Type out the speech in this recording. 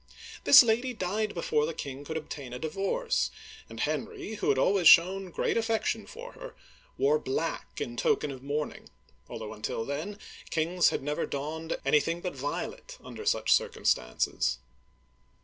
" This lady died before the king could obtain a divorce, and Henry, who had always shown great affection for her, wore black in token of mourning, although until then kings had never donned anything but violet under such circumstances.